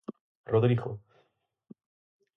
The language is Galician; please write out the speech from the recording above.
Rodrigo.